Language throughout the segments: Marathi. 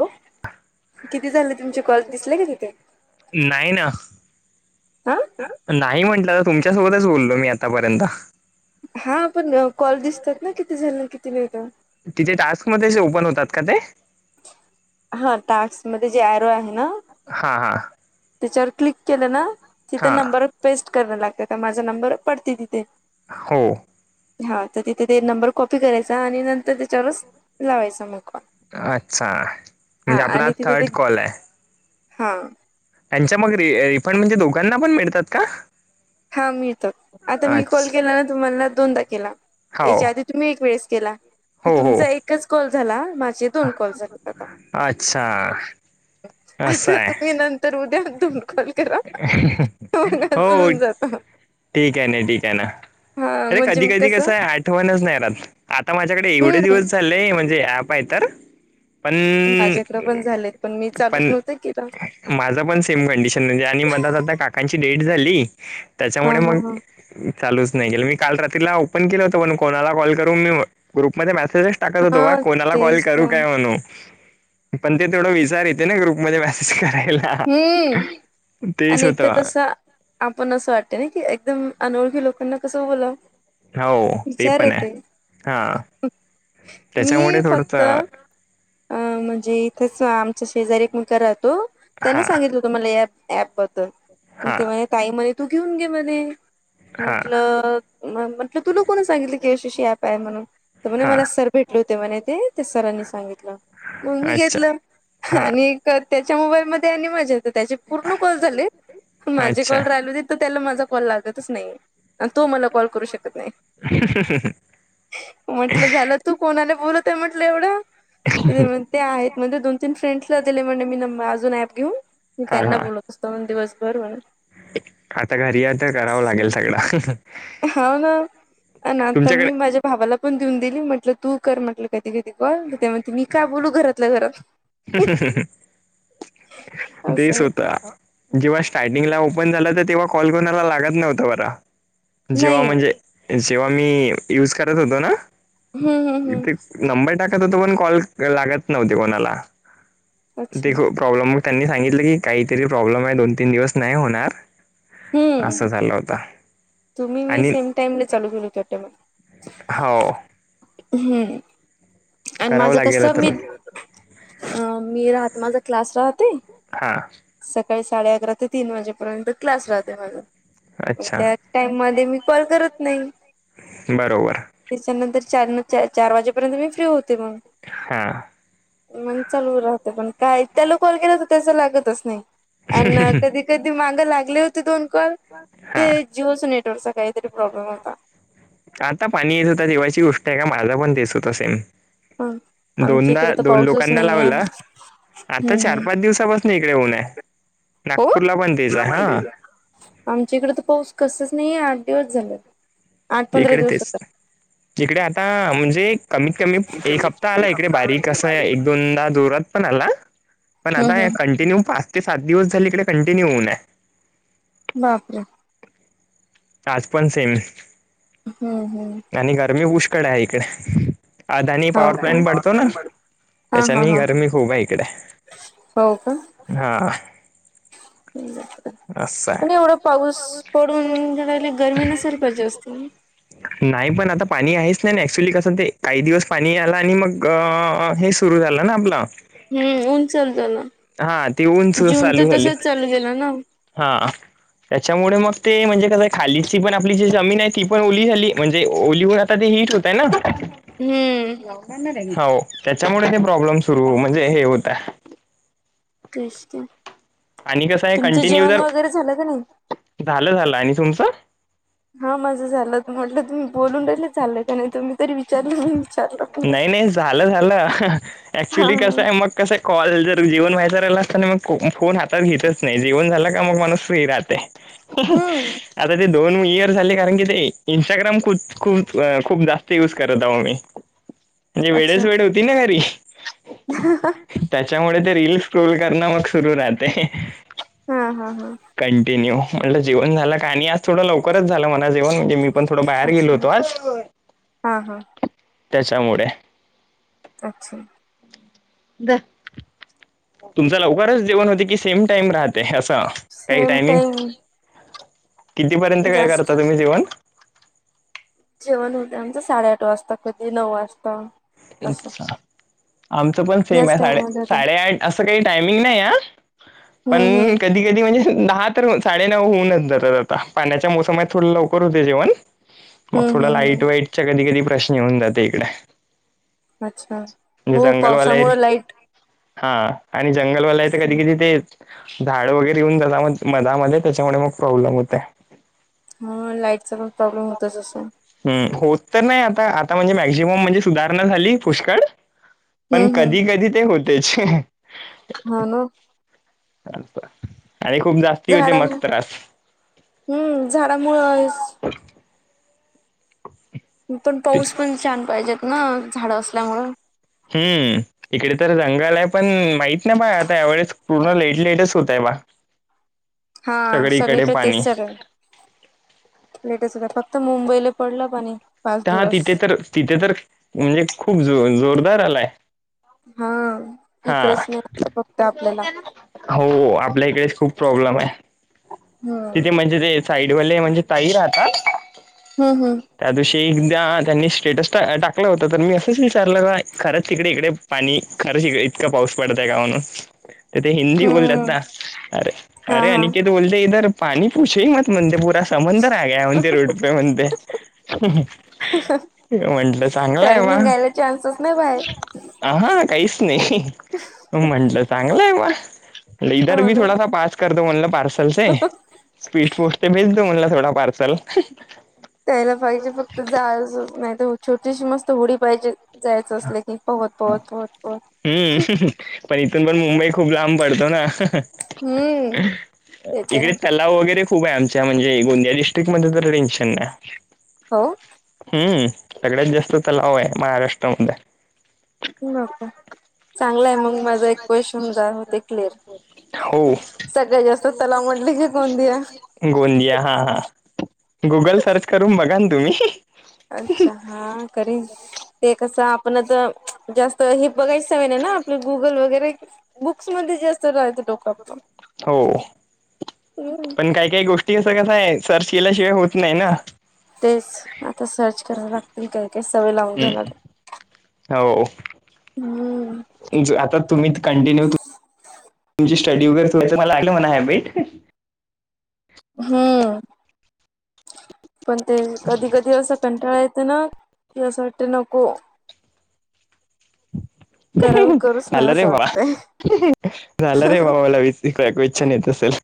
हॅलो किती झाले तुमचे कॉल दिसले का तिथे? नाही ना, हा नाही म्हटलं तुमच्यासोबतच बोललो मी आतापर्यंत हा पण कॉल दिसतात ना किती झालं किती नाही ते? तिथे टास्क मध्ये ओपन होतात का ते? हा टाक्स मध्ये जे अरओ आहे ना हा हा. त्याच्यावर क्लिक केलं ना तिथे हां नंबर पेस्ट कराय लागत का माझा नंबर पडते तिथे. हो हा तर तिथे ते नंबर कॉपी करायचा आणि नंतर त्याच्यावरच लावायचा मग कॉल. अच्छा! हा म्हणजे आपला आणि तिथं ते थर्ड कॉल आहे. हा त्यांच्या मग रिफंड म्हणजे दोघांना पण मिळतात का? हा मिळत आता मी कॉल अच्छा केला ना तुम्हाला दोनदा केला हो त्याच्या आधी तुम्ही एक वेळेस केला तर हो हो तुमचा एकच कॉल झाला. माझी दोन कॉल झालेत आता. अच्छा असं आता आहे तुम्ही नंतर उद्यांत कॉल करा हो मगजून जात. ठीक आहे ना ठीक आहे ना. हा अरे! म्हणजे कधी मग कधी कसं आहे आठवणच नाही रात आता माझ्याकडे एवढे हम्म दिवस झाचालेय म्हणजे अ आहे तर पण माझ्याकडें पण झालेत पण मी चालूच नव्हतं केलं. माझं पण सेम कंडिशन म्हणजे आणि म आता मध्ये काकांची डेट झाली हा त्यांच्यामुळे हा मग हा चालूच नाही केल मी काल रात्रीला ओपन केलं होत पण कोणाला कॉल करू मी ग्रुपमध्ये मेसेज टाकत होतो बा हा कोणाला कॉल तेच तर करू काय म्हणू पण ते थोडं विचार येते ना ग्रुपमध्येध्ये मेसेज करायला. हम्म तेच आणि एकदा होतं कसं, आपण असं वाटते ना की एकदम अनोळखी लोकांना कसं बोलावं. हो ते पण आहे हा. त्याच्यामुळे मी थोडस फक्त अ म्हणजे इथंच आमच्या शेजारी एकमेका राहतो त्यांना हां सांगितलं होतो मला या ऍप बद्दलग हां ते म्ह ताई मध्ये तू घेऊन घे मध्ये हां म्हटलं म्हटलं तुला कोणा सांगितलं की यशशी ऍप आहे म्हणून तर म्हणे हां मला सर भेट ल तेव्हा ते ते सरांनी सांगितलं मग मी अच्छा घेतलं हां आणि त्यांच्या मोबाईलमध्ये आणि [inaudible] पूर्ण कॉल झाले माझे अच्छा कॉल राहिल होते तर त्याला माझा कॉल लागतच नाही तो मला कॉल करू शकत नाही ह ह ह ह म्हंटलं झालं तू कोणाला बोलत आहे म्हटलं एवढं ते आहेत म्हणजे दोन तीन फ्रेंड्सला दिले म्हणे मी अजून घेऊन मी हां त्यांना हां बोलत असतो दिवसभर म्हण आता घरी या तर करावं लागेल सगळं हाव ना. आणि आता मी तुमच्याकडे माझ्या भावाला पण देऊन दिली म्हटलं तू कर म्हटलं कधी कधी कॉल ते म्हणते मी काय बोलू घरातलं घरात असं देस आहे ते. होता जेव्हा स्टार्टिंगला ओपन झालं तर तेव्हा कॉल कोणाला लागत नव्हत बरा जेव्हा नाही म्हणजे जेव्हा मी युज करत होतो ना हम्म हम्म हम्म इथे नंबर टाकात तो पण कॉल लागत नव्हते कोणाला अच्छा ते प्रॉब्लेम मग त्यांनी सांगितलं की काहीतरी प्रॉब्लेम आहे दोन तीन दिवस नाही होणार हम्म असं झालं होता तुम्ही मी आणि सेम टाईम [inaudible] खाव हम्म आणि करावं माझं लागेल कसं तर मी अ मी राहत माझा क्लास राहते हा सकाळी साडे अकरा ते तीन वाजेपर्यंत क्लास राहते माझा अच्छा त्या टाईम मध्ये मी कॉल करत नाही बरोबर त्याच्यानंतर चार चार वाजेपर्यंत मी फ्री होत हा मग चालू राहते पण काय त्याला कॉल केला तर त्याचं लागतच नाही अ कधी कधी मागं लागले होते दोन कॉल हा ते जिओच नेटवर्कचा काहीतरी प्रॉब्लेम होता आता पाणी येत होतं तेव्हाची गोष्ट आहे का माझा पण देत होता सेम हा आमच्या इकडे दोनदा तर दोन पाऊसच लोकांना नाहीये लावला आता हम्म चार हम् पाच दिवसापासून इकडे ऊन आहे हो नागपूरला तेच तुला आहे पण [inaudible] हा आमच्या इकडे तर पाऊस कसच नाहीये आठ दिवस झालं इकडे तेच इकडे आता म्हणजे कमीत कमी एक हप्ता आला इकडे बारीक अस एक दोनदा जोरात पण आला पण हम्म आता हम्म कंटिन्यू पाच ते सात दिवस झाली इडे कंटिन्यू होऊन आहे बापर आज पण सेम हम् हम आणि गरमी पुष्कळ आहे इकडे अदानी हो पॉवर प्लांट पडतो ना का. हा हा त्याच्यानी हा गरमी खूप आहे इकडे हो का हा असं पण आहे एवढ पाऊस पडून घयला गरमी नसेल काझ्या वस्ती नाही पण आता पाणी आहेच नाही ना ऍक्च्युली कसं ते काही दिवस पाणी आला आणि मग हे सुरू झालं ना आपला. हम् ऊन [inaudible] हा ती ऊनच जून तर चालू झाली तसच चालू गेला ना हा. त्यांच्यामुळे मग ते म्हणजे कसंय खालीची पण आपली जी जमीन आहे ती पण ओली झाली म्हणजे ओलीवर. ते हीट होतंय ना हम्म हो त्यांच्यामुळे ते प्रॉब्लेम सुरू म्हणजे हे होत [inaudible] आणि कसं आहे तुमचं कंटिन्यू जेवण जर, वगैरे झालं का नाही झालं झालं आणि तुमचं? हा माझं झालं म्हटलं तुम्ही बोलून राले चाललंय का नाही तुम्ही तरी विचारलं मी विचारलं पण नाही नाही झालं झालं हा ऍक्च्युली कसं आहे मग कस कॉल जर जेवन व्हायचा राहिलं असताना मग फोन हातात घेतच नाही जेवण झाला का मग माणूस फ्री राहत. ते. हम्म. आता ते दोन इयर झाले कारण की ते इंस्टाग्राम खूप खूप खूप दा. यज करत आहो मी म्हणजे वेळेच वेळ होती ना घरी. ह हा हा. त्याच्यामुळे ते रीलस ट्रोल करणं मग सुरू राहते. हा हा. कंटिन्यू म्हटलं जेवन झाला का आणि आज थोडं लव त झालं मला जेवण म्हणजे मी पण थोडं बाहेर गेलो अच्छा होतो आज. हा हा त्याच्यामुळे. अच्छा. तुमच लवकरच जेवण होते की सेम टाइम राहते अस? Same time. कितीपर्यंत काय करता तुम्ही जेवण? जेवण होते आमचं साडेआठ वाजता कधी नऊ वाजता. असं अच्छा आमचं पण सेम याच आहे टाइम साडे मध्ये होते साडेआठ असं काही टायमिंग नाही ह. हम्म पण हम्म कधी धी म्हणजे दहा तर साडे नऊ होऊनच जातात आता पाण्याच्या मोसमात थोड लवकर होते जेवण. मग हम्म थोडं हम्म लाईट हम्म वाईटच्या कधी कधी प्रश्न येऊन जाते इकडे. अच्छा. म्हणजे हो जंगलवाला पावसामुळ एरिया लाईट हा आणि जंगलवाला आहे तर कधी कधी ते झााड वगैरे येऊन जात म मधामध्ये त्याच्यामुळे मग प्रॉब्लेम होते. ह लाईटचा पण प्रॉब्लेम होतचसं. हम होत तर नाही आता आता म्हणजे मॅक्झिमम म्हणजे सुधारणा झाली पुष्कळ. पण हम्म हम्म कधी कधी ते होतेच. हा ना. आणि खूप जास्त झाडामुळे हम्म झाडामुळें आहे अ. पण पाऊस पण छान पाहिजेत ना झाडं असल्यामुळ. हम्म. इकडे तर रंगल आहे पण माहित नाही बा आता यावेळेस पूर्ण लेट लेटच होतय बा. हा सगळीकडे तेच चालू आहे. लेटेस्ट होता फक्त मुंबईला पडला पणी. हा तिथे तर तिथे तर म्हणजे खूप जो जोरदार आलाय. हा. हा इकडेच नाही फक्त आपल्याला हो आपल्या इकडेच खूप प्रॉब्लेम आहे. हम्म तिथे म्हणजे ते साईडवाले म्हणजे ताई राहतात? हम्म हम्म त्या दिवशी एकदा त्यांनी स्टेटस टा टाकलं होतं तर मी असंच विचारलं का खरंच तिकडे इकडे आणि खरं श इतक पाऊस पडतय का हणून तर ते हिंदी बोलतात हम्म ना अरे हा अरे हा अनिकेत बोलते इधर पाणी प पुछे मत म्हणते पूरा समंदर आग म्हणते रोड पे म्हणते. म्हंटलं चांगलंय त्याला बा. निघायला चान्सच नाही बाहेर. ह हा काहीच नाही. त [inaudible] म्हटलं चांगलं आहे बा इदर हो बी ना थोडासा पाच करतो म्हणलं पार्सलचे स्पीट पोस्ट भेल तो म्हणला थोडा पार्सल त्यायला पाहिजे फक्त जा नाही छोटीशी मस्त होडी पाहिजे. जायचं असलं की पहत पहत पहत पहत हम्म पण इथून पण मुंबई खूप लांब पडतो ना हम्म ते तर आहे इकडे व वगैरे खूप आहे आमच्या म्हणे गोंदियाडस्ट्रिक्ट ममध्ये तर टेनशन आहे. हा हम्म सगळ्याच जास्त तलाव आहे महाराष्ट्रामध्ये ह का चांगलाय मग माझा एक क्वेशन जा होते क्लिअर हो सगळ जास्त तलामटली की कोणती आहे. गोंदिया हा हा गुगल सर्च करून बघा ना तुम्ही, अच्छा हा करे ते कसं आपणच जास्त हे बघायचं सवय नाही ना आपले गुगल वगैरे बुक्समध्येध्ये जास्त राहच डोक आपण हो हम् पण काही काही गोष्टी असं कस आहे सर्च केल्याशिवाय हो- तेच आता सर्च कराव लागतील काय काय सवय लावून घ्याय हम्म. लाग हो हम्म आता तुम्ही कंटिन्यू तुमची स्टडी वगैरेयच मला म्हणा ह बेट हम्म पण ते कधी कधी असं कंटाळा येतं ना की असं वाटते नको करावं करूच ना नलरे असं म वाटतंय नलर मवा लवी [inaudible] तिकयकच्छाान येत असेल [inaudible]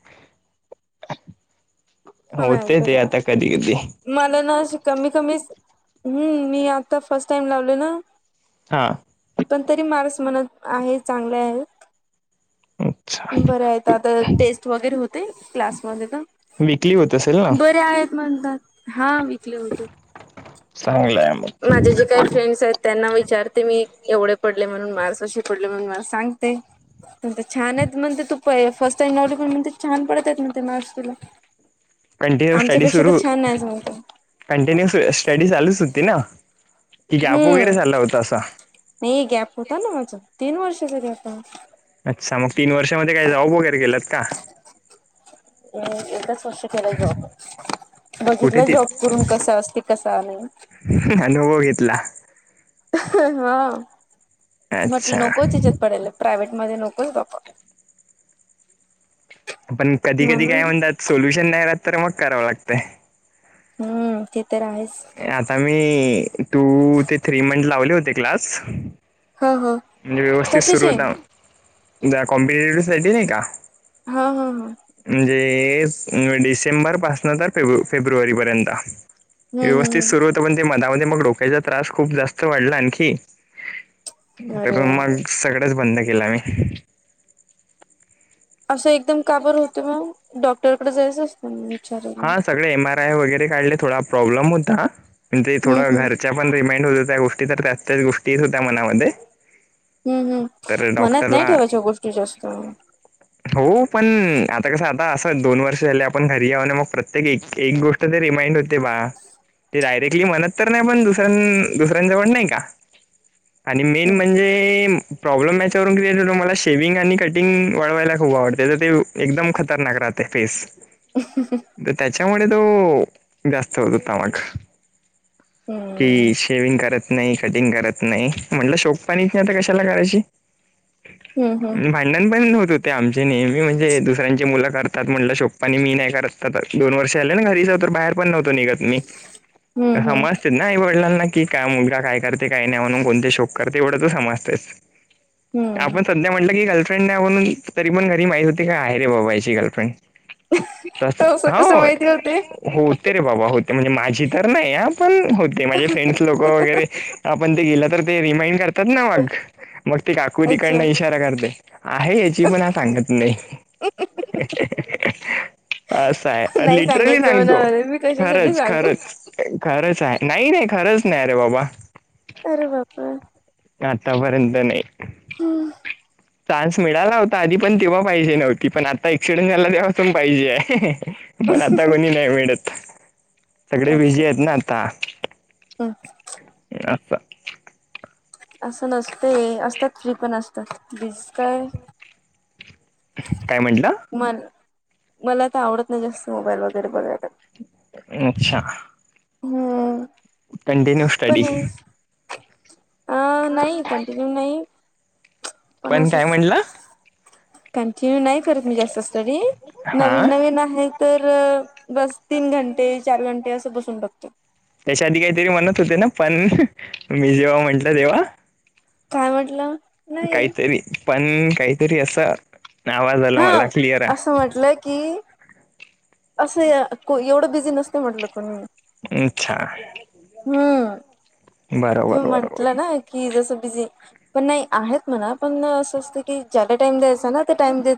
हो नाही तेय तर ते का आता कधी कध मला ना अ कमी कमी ह्म मी आता फर्स्ट टाईम लावल ना हां पण तरी माणूस मनात आहे चांगले आहेत, अच्छा बरं आहे तू आता टेस्ट वगैरे होते क्लासमध्ये तर वीकली होत असेल. ना बरे आहेत म्हणतात हा विकले होते. चांगलंय मग माझे जे काही फ्रेंड्स आहेत, त्यांना विचारते मी एवढे पडले म्हणून माणस असे पडले म्हणून मला सांगते. ते छान आहेत म्हणते ते तू प फर्स्ट टाईम नवली पण म्हण ते छान पडत आहेत म्हण ते मार्स तुला कंटिन्यू स्टडी आमच्यापेक्षा सुरू तर छान नाहीच म्हणते कंटिन्यू स्टडी चालूच होती ना की गॅप वगैरे झाला हम्म होता असा नाही गॅप होता ना माझा तीन वर्षाचा गॅप आहे अच्छा मग तीन वर्षामध्ये काही जॉब वगैरे गेलंत का आणि एक [inaudible] कस केलं जॉब कुठे बघितलं ती जॉब करून कसा असते कसा नाही. अनुभव घेतला हा म्हटलं अच्छा नकोच इच्यात पडेल प्रायव्हेट मध्ये नकोच बा्पा पण कधी कधी काय म्हणून म्हणतात सोल्युशन नाही राहत तर मग करावं लागतं हम्म ति तर आहेच आता मी टू ते थ्री मंथ लावले होते क्लास हा हा म्हणजे व्यवस्थित सुरू कशाचे होता कॉम्पिटेटिव्ह साठी नाही का? हा हा हा म्हणजे डिसेंबर पासन तर फेब फेब्रुवारीपर्यंत हम्म व्यवस्थित सुरू हम्म होत पण ते मधमध्ये मग डोक्याचा त्रास खूप जास्त वाढला आणखी अरे तर यार. मग सगळच बंद केलं असं एकदम काबर होत मग डॉक्टरकडे जायचं असतं म विचार हा सगळे एम आर आय वगैरे काढले थोडा प्रॉब्लेम होता म्हणज ते हम्म थोडं हम्म घर पण रिमाइंड होत हो त्या गोष्टी तर त्यात त्याच गोष्टी होत्या मनामध्ये हम्म हम् तर मनात नाही डॉक्टरला ठेवायच्या गोष्टी जास्त हो पण आता कसं आता असं दोन वर्ष झाले आपण घरी याऊ ना मग प्रत्येक एक गोष्ट ते रिमाइंड होते बा ते डायरेक्टली म्हणत तर नाही पण दुसऱ्यां दुसऱ्यांजवळ नाही का आणि मेन म्हणजे प्रॉब्लेम याच्यावरून क्रिएटतो मला शेवि्हंग आणि कटिंग वाढवायला खूप आवडते तर ते एकदम खतरनाक राहते तेतीस [inaudible] तर त्याच्यामुळे तो जास्त होत होता मग हम्म कि शेविंग करत नाही कटिंग करत नाही म्हटलं शोक पाणीच नाही आता कशाला करायची हम्म भय अण पण होत होते आमचे नेहमी म्हणजे दुसऱ्यांची मुलं करतात म्हटलं शोकपाणी मी नाही करत आता दोन वर्ष आले ना घरीच तर बाहेर पण नव्हतो निघत मी हम्म हम्म सजते नाही वडलांना की काय मुलगा काय करते काही नाही म्हणून कोणते शोक करते एवढं तर समजते हम्म. आपण सध्या म्हटलं की गर्लफ्रेंड नाही म्हणून तरी पण घरी माहित होती की आहे रे बाबा याची गर्लफ्रेंड तस असं हो कसं माहिती होते होते रे बाबा होते म्हणजे माझी तर नाही ह पण होते माझे फ्रेंड्स लोक वगैरे आपण ते गेलं तर ते रिमाइंड करतात ना मग मग ते काकू तिकडन अच्छा इशारा करते आहे याची पण ह सांगत नाही असं आहे नाही लिटरली सांगायचं सांगतो म्हणाले मी कशासाठी खरंच सांगू. खरंच खरंच आहे नाही नाही खरंच नाही अरे बाबा अर बाबा आतापर्यंत नाही हम्म चानस मिळाला होता आधी पण तेव्हा पाहिजे नव्हती पण आता एक्सिडेंट झाला तेव्हाास पाहिजे पण आता कोणी नाही मिळत सगळे बिजी येत ना आताता हम् असच्छा असं नसते असतात फ्री पण असतात बिस काय काय म्हटलं म मला तर आवडत नाही जास्त मोबाईल वगैरे बघायला अच्छा हम्म कंटिन्यू पण स्टडी. हे अ नाही, कंटिन्यू नाही पण काय म्हणलं? कंटिन्यू नाही करत, मी जास्त स्टडी नवीन हा नवीन आहे तर, बस तीन घंटे, चार घंटे, असं बसून बघतो त्याच्या आधी काहीतरी म्हणत होते ना पण मी जेव्हा म्हटलं तेव्हा काय म्हटलं नाही काहीतरी पण काहीतरी असं आवाज आला हा मला क्लिअर असं म्हटलं की असं एवढं बिझी नसते म्हटलं कोणी [unintelligible] हम्म. तू बरोबर बरोबर म्हंटलं ना, की जसं बिझी, पण नाही आहेत म्हणा, पण असं असतं की, ज्याला टाइम द्यायचा ना, ते टाइम दे